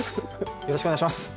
よろしくお願いします！